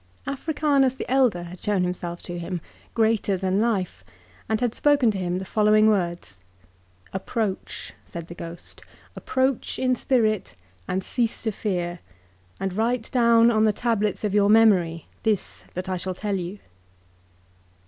Africanus the elder had shown himself to him, greater than life, and had spoken to him .in the following words. "Approach," said the ghost ;" approach in spirit, and cease to fear, and write down on the tablets of your memory this that I shall tell you.